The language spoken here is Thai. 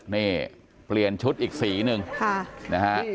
นี่เปลี่ยนชุดอีกสีหนึ่งนะฮะ